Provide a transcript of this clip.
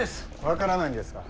分からないんですか。